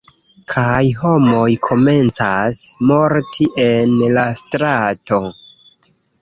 kaj homoj komencas morti en la strato.